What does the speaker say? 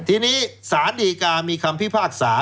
ทีนี้สารดีกามีคำพิพากษา